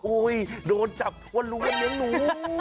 โอ้โฮโดนจับทวนรวมเหลืองหนู